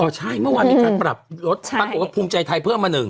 ใช่เมื่อวานมีการปรับลดปรากฏว่าภูมิใจไทยเพิ่มมาหนึ่ง